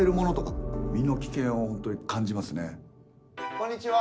こんにちは。